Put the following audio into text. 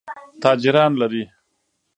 تاجران لري.